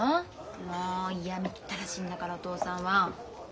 もう嫌みったらしいんだからお父さんは。